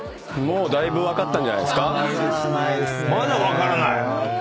まだ分からない？